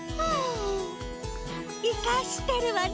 いかしてるわね